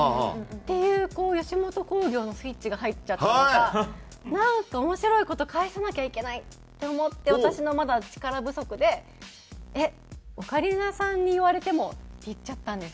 っていう吉本興業のスイッチが入っちゃったのかなんか面白い事返さなきゃいけないって思って私のまだ力不足で「えっオカリナさんに言われても」って言っちゃったんですよ。